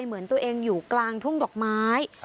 เหมือนตัวเองอยู่กลางทุ่งดอกไม้